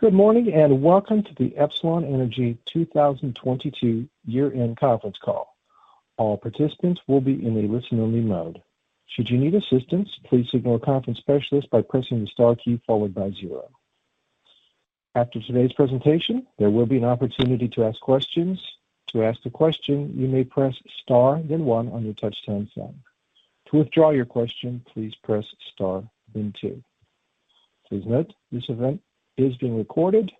Good morning, welcome to the Epsilon Energy 2022 year-end conference call. All participants will be in a listen-only mode. Should you need assistance, please signal a conference specialist by pressing the star key followed by zero. After today's presentation, there will be an opportunity to ask questions. To ask the question, you may press star then one on your touch-tone phone. To withdraw your question, please press star then two. Please note, this event is being recorded.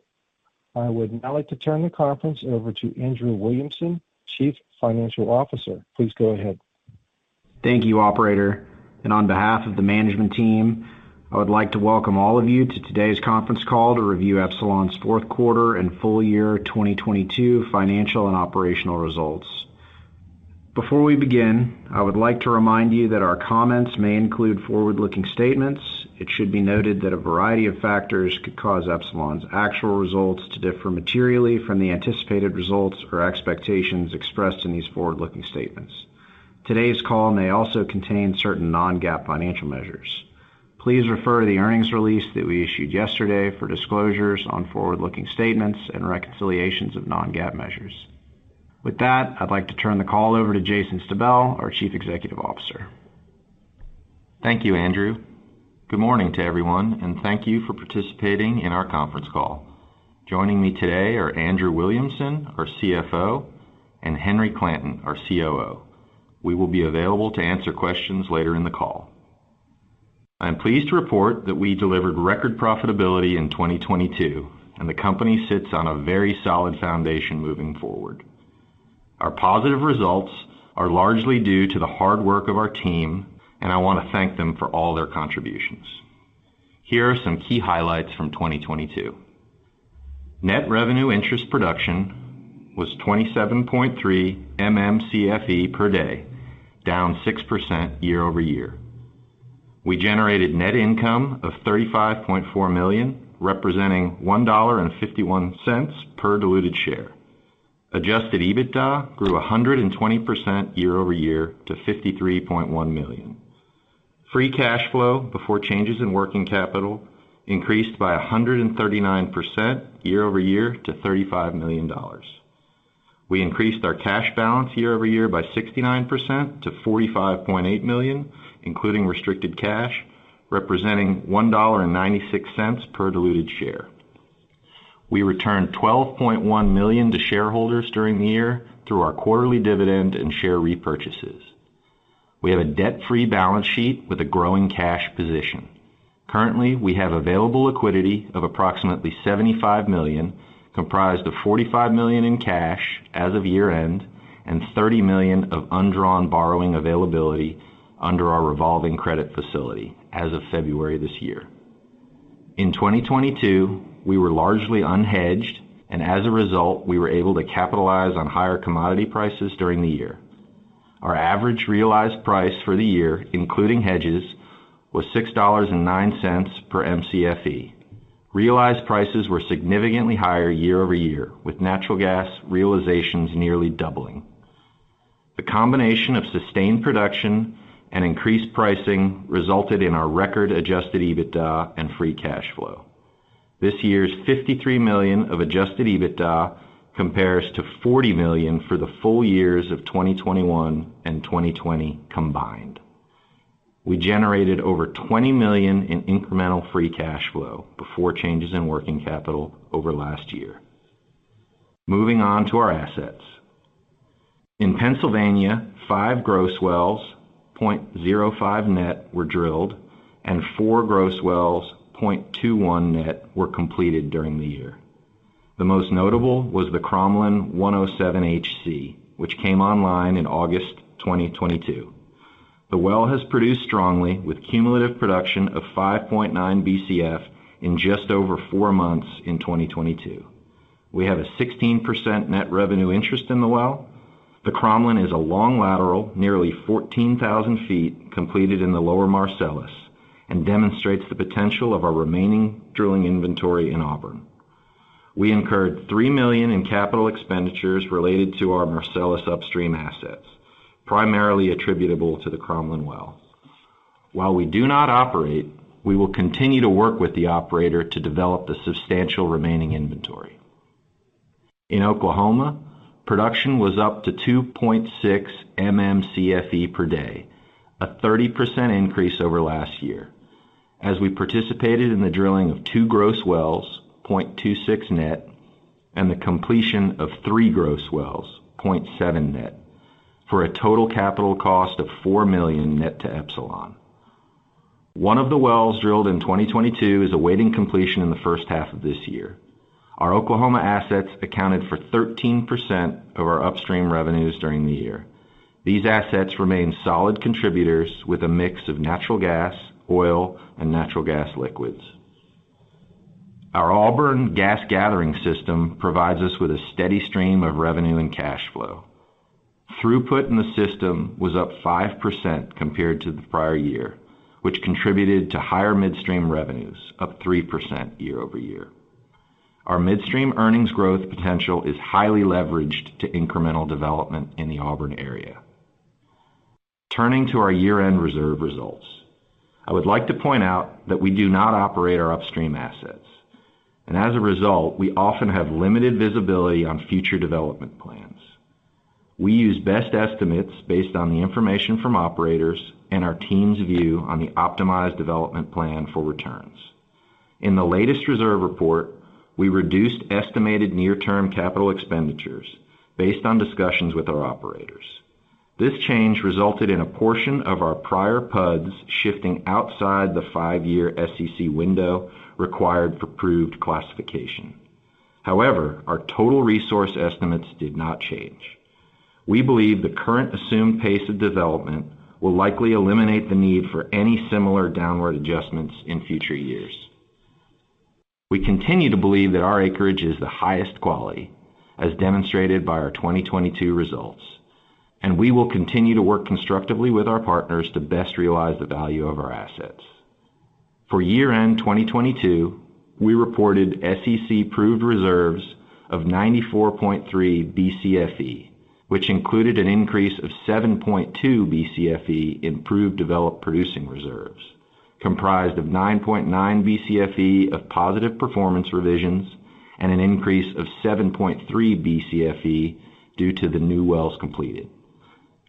I would now like to turn the conference over to Andrew Williamson, Chief Financial Officer. Please go ahead. Thank you, operator. On behalf of the management team, I would like to welcome all of you to today's conference call to review Epsilon's fourth quarter and full year 2022 financial and operational results. Before we begin, I would like to remind you that our comments may include forward-looking statements. It should be noted that a variety of factors could cause Epsilon's actual results to differ materially from the anticipated results or expectations expressed in these forward-looking statements. Today's call may also contain certain non-GAAP financial measures. Please refer to the earnings release that we issued yesterday for disclosures on forward-looking statements and reconciliations of non-GAAP measures. With that, I'd like to turn the call over to Jason Stabell, our Chief Executive Officer. Thank you, Andrew. Good morning to everyone, and thank you for participating in our conference call. Joining me today are Andrew Williamson, our CFO, and Henry Clanton, our COO. We will be available to answer questions later in the call. I am pleased to report that we delivered record profitability in 2022, and the company sits on a very solid foundation moving forward. Our positive results are largely due to the hard work of our team, and I wanna thank them for all their contributions. Here are some key highlights from 2022. Net revenue interest production was 27.3 MMcfe per day, down 6% year-over-year. We generated net income of $35.4 million, representing $1.51 per diluted share. Adjusted EBITDA grew 120% year-over-year to $53.1 million. Free cash flow before changes in working capital increased by 139% year-over-year to $35 million. We increased our cash balance year-over-year by 69% to $45.8 million, including restricted cash, representing $1.96 per diluted share. We returned $12.1 million to shareholders during the year through our quarterly dividend and share repurchases. We have a debt-free balance sheet with a growing cash position. Currently, we have available liquidity of approximately $75 million, comprised of $45 million in cash as of year-end, and $30 million of undrawn borrowing availability under our revolving credit facility as of February this year. In 2022, we were largely unhedged, and as a result, we were able to capitalize on higher commodity prices during the year. Our average realized price for the year, including hedges, was $6.09 per Mcfe. Realized prices were significantly higher year-over-year, with natural gas realizations nearly doubling. The combination of sustained production and increased pricing resulted in our record adjusted EBITDA and free cash flow. This year's $53 million of adjusted EBITDA compares to $40 million for the full years of 2021 and 2020 combined. We generated over $20 million in incremental free cash flow before changes in working capital over last year. Moving on to our assets. In Pennsylvania, five gross wells, 0.05 net were drilled, and four gross wells, 0.21 net, were completed during the year. The most notable was the Koromlan 107HC, which came online in August 2022. The well has produced strongly with cumulative production of 5.9 Bcf in just over four months in 2022. We have a 16% net revenue interest in the well. The Koromlan is a long lateral, nearly 14,000 ft completed in the lower Marcellus and demonstrates the potential of our remaining drilling inventory in Auburn. We incurred $3 million in capital expenditures related to our Marcellus upstream assets, primarily attributable to the Koromlan Well. While we do not operate, we will continue to work with the operator to develop the substantial remaining inventory. In Oklahoma, production was up to 2.6 MMcfe per day, a 30% increase over last year as we participated in the drilling of two gross wells, 0.26 net, and the completion of three gross wells, 0.7 net, for a total capital cost of $4 million net to Epsilon. One of the wells drilled in 2022 is awaiting completion in the first half of this year. Our Oklahoma assets accounted for 13% of our upstream revenues during the year. These assets remain solid contributors with a mix of natural gas, oil, and natural gas liquids. Our Auburn Gas Gathering System provides us with a steady stream of revenue and cash flow. Throughput in the system was up 5% compared to the prior year, which contributed to higher midstream revenues up 3% year-over-year. Our midstream earnings growth potential is highly leveraged to incremental development in the Auburn area. Turning to our year-end reserve results. I would like to point out that we do not operate our upstream assets, and as a result, we often have limited visibility on future development plans. We use best estimates based on the information from operators and our team's view on the optimized development plan for returns. In the latest reserve report, we reduced estimated near-term capital expenditures based on discussions with our operators. This change resulted in a portion of our prior PUDs shifting outside the five-year SEC window required for proved classification. However, our total resource estimates did not change. We believe the current assumed pace of development will likely eliminate the need for any similar downward adjustments in future years. We continue to believe that our acreage is the highest quality, as demonstrated by our 2022 results, and we will continue to work constructively with our partners to best realize the value of our assets. For year-end 2022, we reported SEC proved reserves of 94.3 Bcfe, which included an increase of 7.2 Bcfe in proved developed producing reserves, comprised of 9.9 Bcfe of positive performance revisions and an increase of 7.3 Bcfe due to the new wells completed.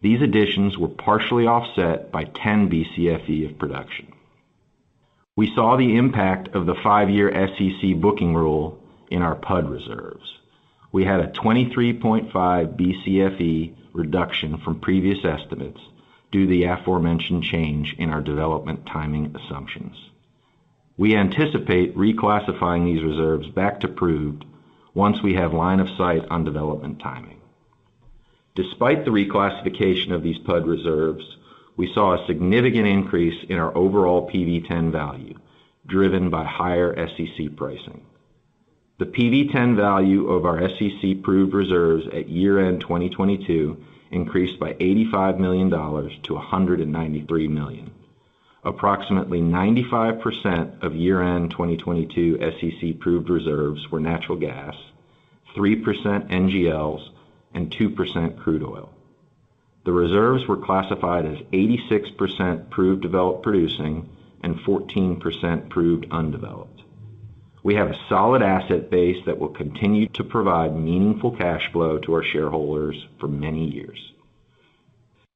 These additions were partially offset by 10 Bcfe of production. We saw the impact of the five-year SEC booking rule in our PUD reserves. We had a 23.5 Bcfe reduction from previous estimates due to the aforementioned change in our development timing assumptions. We anticipate reclassifying these reserves back to proved once we have line of sight on development timing. Despite the reclassification of these PUD reserves, we saw a significant increase in our overall PV-10 value, driven by higher SEC pricing. The PV-10 value of our SEC proved reserves at year-end 2022 increased by $85 million-$193 million. Approximately 95% of year-end 2022 SEC proved reserves were natural gas, 3% NGLs, and 2% crude oil. The reserves were classified as 86% proved developed producing and 14% proved undeveloped. We have a solid asset base that will continue to provide meaningful cash flow to our shareholders for many years.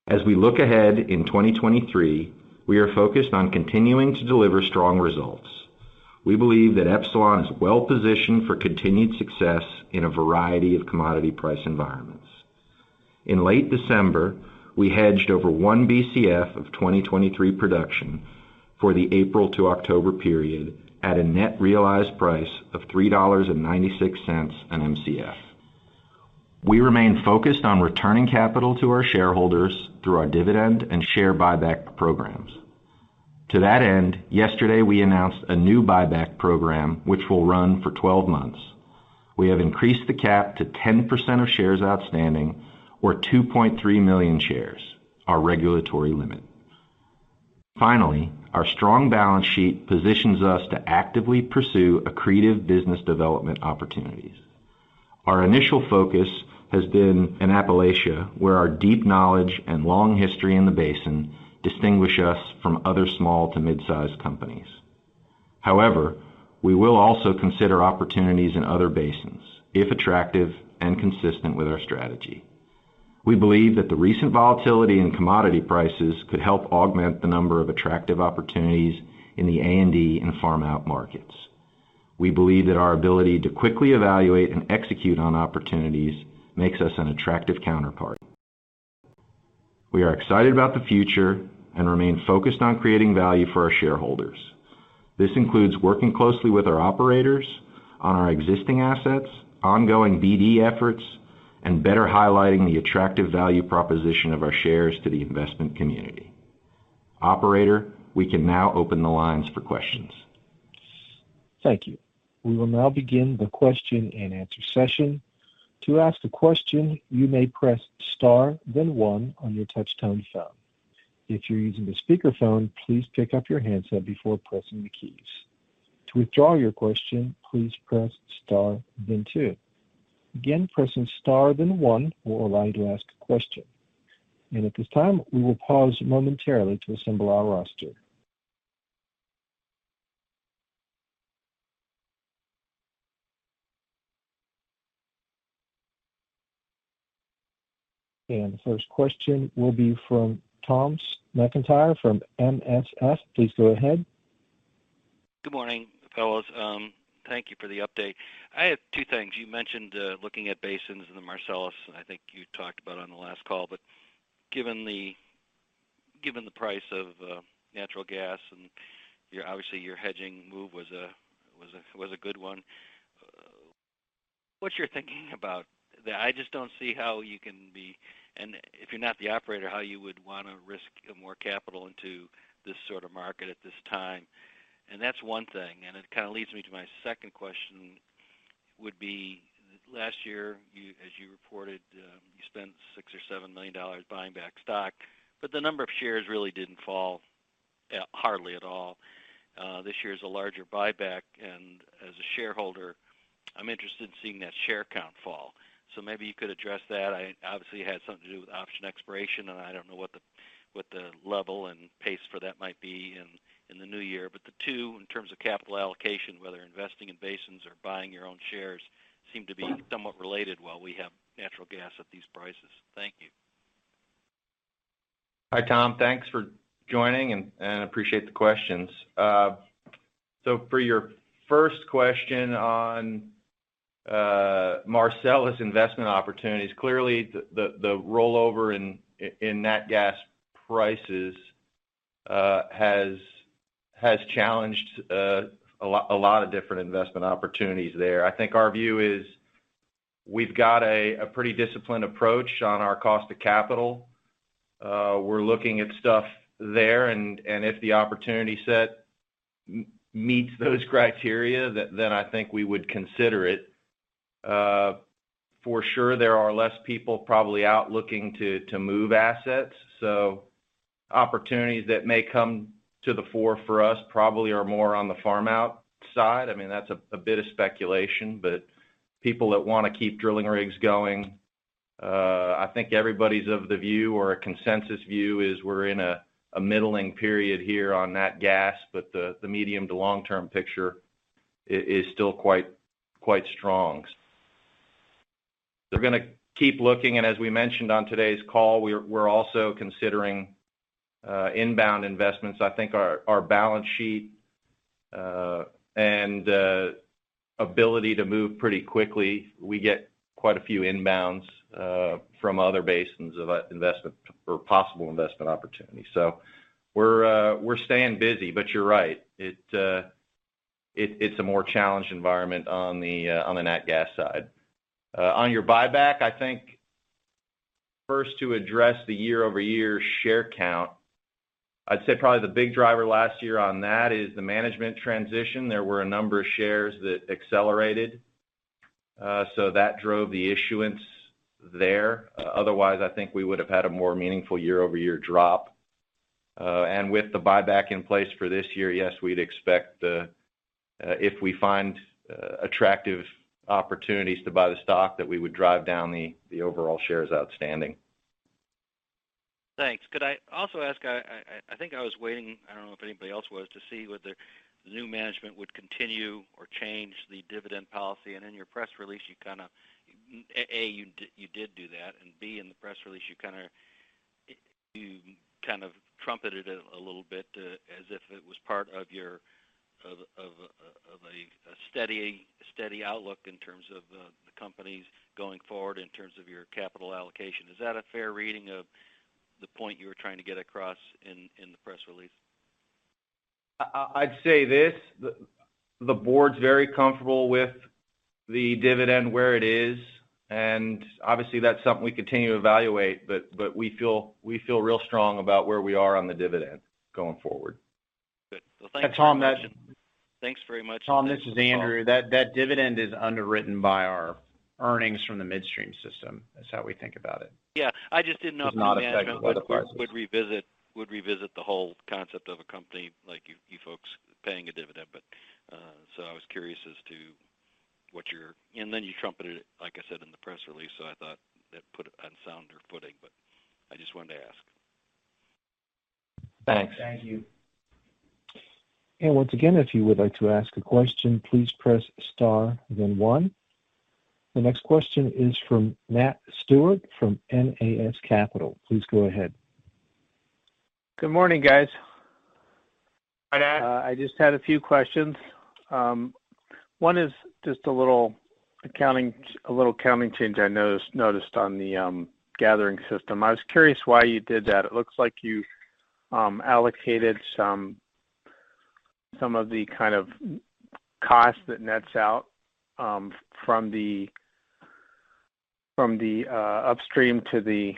As we look ahead in 2023, we are focused on continuing to deliver strong results. We believe that Epsilon is well-positioned for continued success in a variety of commodity price environments. In late December, we hedged over 1 Bcf of 2023 production for the April to October period at a net realized price of $3.96 an Mcf. We remain focused on returning capital to our shareholders through our dividend and share buyback programs. To that end, yesterday we announced a new buyback program which will run for 12 months. We have increased the cap to 10% of shares outstanding or 2.3 million shares, our regulatory limit. Finally, our strong balance sheet positions us to actively pursue accretive business development opportunities. Our initial focus has been in Appalachia, where our deep knowledge and long history in the basin distinguish us from other small to mid-sized companies. However, we will also consider opportunities in other basins if attractive and consistent with our strategy. We believe that the recent volatility in commodity prices could help augment the number of attractive opportunities in the A&D and farmout markets. We believe that our ability to quickly evaluate and execute on opportunities makes us an attractive counterpart. We are excited about the future and remain focused on creating value for our shareholders. This includes working closely with our operators on our existing assets, ongoing BD efforts, and better highlighting the attractive value proposition of our shares to the investment community. Operator, we can now open the lines for questions. Thank you. We will now begin the question and answer session. To ask a question, you may press star then one on your touchtone phone. If you're using a speakerphone, please pick up your handset before pressing the keys. To withdraw your question, please press star then two. Again, pressing star than one will allow you to ask a question. At this time, we will pause momentarily to assemble our roster. The first question will be from Tom McIntyre from MSF. Please go ahead. Good morning, fellows. Thank you for the update. I have two things. You mentioned looking at basins in the Marcellus, and I think you talked about on the last call. Given the, given the price of natural gas and your, obviously, your hedging move was a good one. What's your thinking about the, I just don't see how you can be, and if you're not the operator, how you would want to risk more capital into this sort of market at this time. That's one thing, and it kind of leads me to my second question, would be, last year as you reported, you spent $6 million or $7 million buying back stock, but the number of shares really didn't fall hardly at all. This year is a larger buyback, as a shareholder, I'm interested in seeing that share count fall. Maybe you could address that. I obviously had something to do with option expiration, and I don't know what the level and pace for that might be in the new year. The two, in terms of capital allocation, whether investing in basins or buying your own shares seem to be somewhat related while we have natural gas at these prices. Thank you. Hi, Tom. Thanks for joining, and appreciate the questions. So for your first question on Marcellus investment opportunities, clearly the rollover in nat gas prices has challenged a lot of different investment opportunities there. I think our view is we've got a pretty disciplined approach on our cost to capital. We're looking at stuff there, and if the opportunity set meets those criteria, then I think we would consider it. For sure, there are less people probably out looking to move assets, so opportunities that may come to the fore for us probably are more on the farmout side. I mean, that's a bit of speculation, but people that wanna keep drilling rigs going, I think everybody's of the view or a consensus view is we're in a middling period here on nat gas, but the medium to long-term picture is still quite strong. We're gonna keep looking, and as we mentioned on today's call, we're also considering inbound investments. I think our balance sheet and ability to move pretty quickly, we get quite a few inbounds from other basins of investment or possible investment opportunities. We're staying busy. You're right, it's a more challenged environment on the nat gas side. On your buyback, I think first to address the year-over-year share count, I'd say probably the big driver last year on that is the management transition. There were a number of shares that accelerated, that drove the issuance there. Otherwise, I think we would have had a more meaningful year-over-year drop. With the buyback in place for this year, yes, we'd expect, if we find, attractive opportunities to buy the stock, that we would drive down the overall shares outstanding. Thanks. Could I also ask, I think I was waiting, I don't know if anybody else was, to see whether new management would continue or change the dividend policy, and in your press release, you kinda. A, you did do that, and B, in the press release, you kind of trumpeted it a little bit as if it was part of your of a steady outlook in terms of the companies going forward in terms of your capital allocation. Is that a fair reading of the point you were trying to get across in the press release? I'd say this, the board's very comfortable with the dividend where it is. Obviously, that's something we continue to evaluate. We feel real strong about where we are on the dividend going forward. Good. Well, thanks very much. Tom, that- Thanks very much. Tom, this is Andrew. That dividend is underwritten by our earnings from the midstream system. That's how we think about it. Yeah. I just didn't know. It's not a segment of other parts. If the management would revisit the whole concept of a company like you folks paying a dividend. So I was curious as to what your. Then you trumpeted it, like I said, in the press release, so I thought that put it on sounder footing, but I just wanted to ask. Thanks. Thank you. Once again, if you would like to ask a question, please press star, then one. The next question is from Nat Stewart from N.A.S. Capital. Please go ahead. Good morning, guys. Hi, Nat. I just had a few questions. One is just a little accounting change I noticed on the gathering system. I was curious why you did that. It looks like you allocated some of the kind of costs that nets out from the upstream to the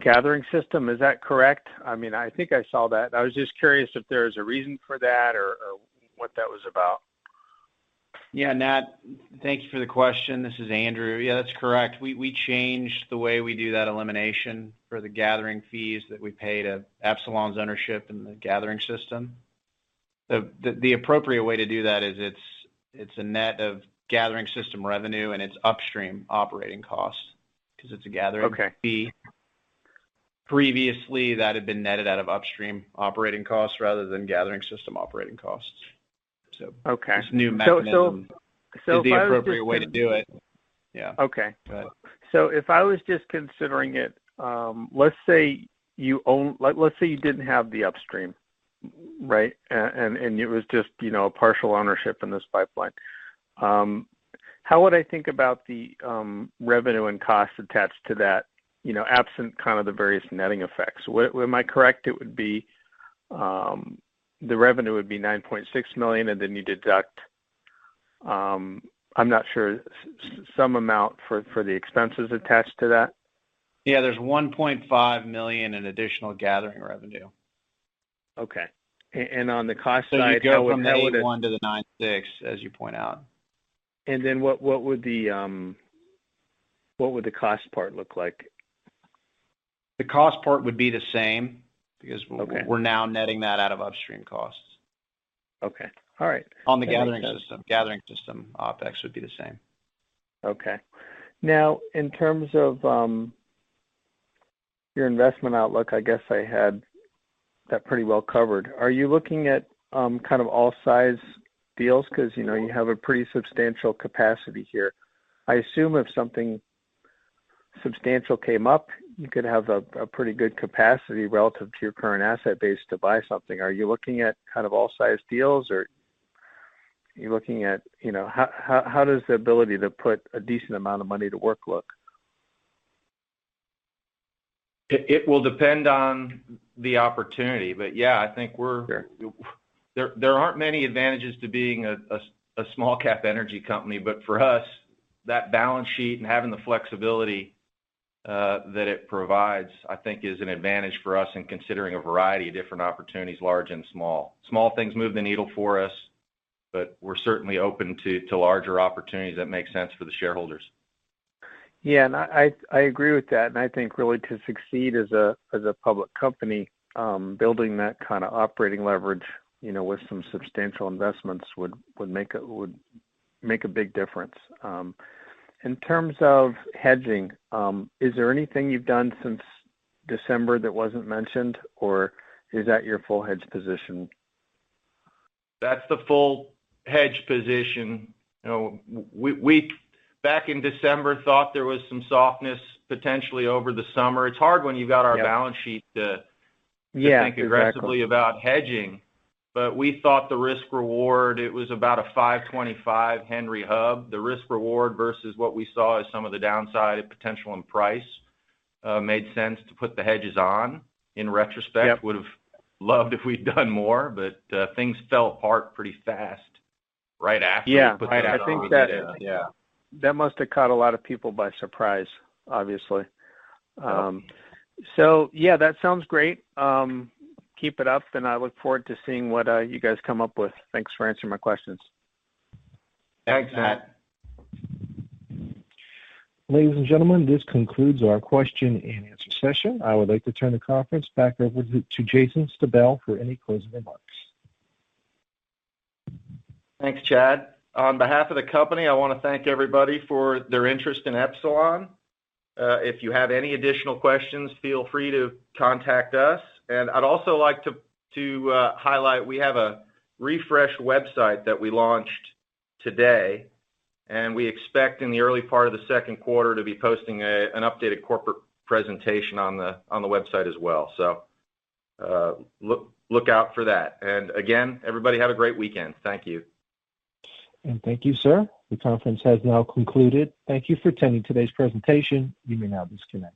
gathering system. Is that correct? I mean, I think I saw that. I was just curious if there's a reason for that or what that was about. Yeah, Nat, thank you for the question. This is Andrew. Yeah, that's correct. We changed the way we do that elimination for the gathering fees that we pay to Epsilon's ownership in the gathering system. The appropriate way to do that is it's a net of gathering system revenue, and it's upstream operating costs because it's a- Okay. fee. Previously, that had been netted out of upstream operating costs rather than gathering system operating costs. Okay. Ihis new mechanism- if I was. is the appropriate way to do it. Yeah. Okay. Go ahead. If I was just considering it, let's say you didn't have the upstream, right? And it was just, you know, a partial ownership in this pipeline. How would I think about the revenue and costs attached to that, you know, absent kind of the various netting effects? Am I correct it would be the revenue would be $9.6 million, and then you deduct, I'm not sure, some amount for the expenses attached to that? Yeah, there's $1.5 million in additional gathering revenue. Okay. On the cost side. You go from the 81 to the 96, as you point out. What would the cost part look like? The cost part would be the same because- Okay. we're now netting that out of upstream costs. Okay. All right. On the gathering system, OPEX would be the same. Okay. Now, in terms of your investment outlook, I guess I had that pretty well covered. Are you looking at kind of all size deals 'cause, you know, you have a pretty substantial capacity here. I assume if something substantial came up, you could have a pretty good capacity relative to your current asset base to buy something. Are you looking at kind of all size deals, or are you looking at, you know? How does the ability to put a decent amount of money to work look? It will depend on the opportunity. Yeah, I think. Sure. There aren't many advantages to being a small cap energy company, but for us, that balance sheet and having the flexibility that it provides, I think is an advantage for us in considering a variety of different opportunities, large and small. Small things move the needle for us, but we're certainly open to larger opportunities that make sense for the shareholders. Yeah. I agree with that. I think really to succeed as a public company, building that kind of operating leverage, you know, with some substantial investments would make a big difference. In terms of hedging, is there anything you've done since December that wasn't mentioned, or is that your full hedge position? That's the full hedge position. You know, we back in December thought there was some softness potentially over the summer. It's hard when you've got our balance sheet to- Yeah. Exactly. to think aggressively about hedging. We thought the risk reward, it was about a $5.25 Henry Hub. The risk reward versus what we saw as some of the downside potential and price made sense to put the hedges on. In retrospect. Yep. Would've loved if we'd done more, but things fell apart pretty fast right after we put that on. Yeah. I think. Yeah. That must have caught a lot of people by surprise, obviously. Yeah, that sounds great. Keep it up, and I look forward to seeing what you guys come up with. Thanks for answering my questions. Thanks, Nat. Ladies and gentlemen, this concludes our question and answer session. I would like to turn the conference back over to Jason Stabell for any closing remarks. Thanks, Chad. On behalf of the company, I wanna thank everybody for their interest in Epsilon. If you have any additional questions, feel free to contact us. I'd also like to highlight we have a refreshed website that we launched today, and we expect in the early part of the second quarter to be posting an updated corporate presentation on the website as well. Look out for that. Again, everybody have a great weekend. Thank you. Thank you, sir. The conference has now concluded. Thank you for attending today's presentation. You may now disconnect.